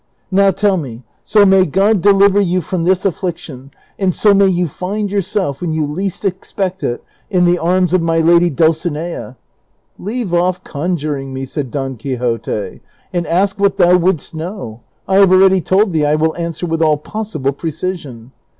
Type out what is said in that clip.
Now tell me, so may God deliver you from this affliction, and so may you find yourself when you least expect it in the arms of my lady Dulcinea "—'* Leave off conjuring me," said Don Quixote, '' and ask what thou wouldst know ; I have already told thee I will answer with all possible precision."